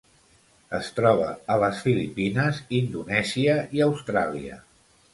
Es troba a les Filipines, Indonèsia i Austràlia.